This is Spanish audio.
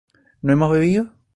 ¿no hemos bebido?